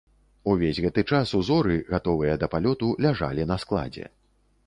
Увесь гэты час ўзоры, гатовыя да палёту, ляжалі на складзе.